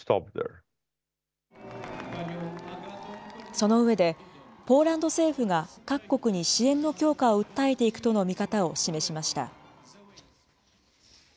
その上で、ポーランド政府が各国に支援の強化を訴えていくとの見方を示しました。